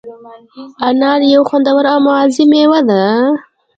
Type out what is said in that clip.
انار یو خوندور او مغذي مېوه ده.